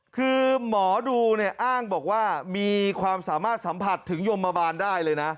คือหมอดูเนี่ยอ้างบอกว่ามีความสามารถสัมผัสถึงยมบาบาลได้เลยนะ